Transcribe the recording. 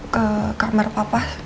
ke kamar papa